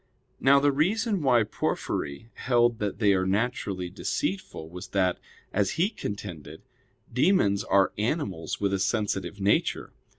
Now the reason why Porphyry held that they are naturally deceitful was that, as he contended, demons are animals with a sensitive nature.